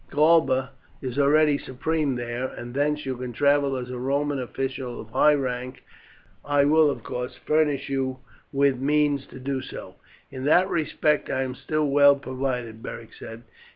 Galba is already supreme there, and thence you can travel as a Roman official of high rank. I will, of course, furnish you with means to do so." "In that respect I am still well provided," Beric said.